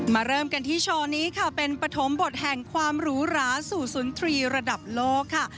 เริ่มกันที่โชว์นี้ค่ะเป็นปฐมบทแห่งความหรูหราสู่สุนทรีย์ระดับโลกค่ะ